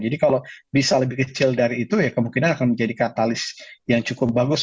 jadi kalau bisa lebih kecil dari itu ya kemungkinan akan menjadi katalis yang cukup bagus